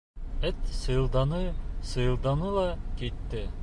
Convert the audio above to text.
Эт сыйылданы-сыйылданы ла китте.